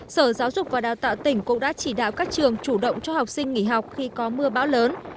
sở giáo dục và đào tạo tỉnh cũng đã chỉ đạo các trường chủ động cho học sinh nghỉ học khi có mưa bão lớn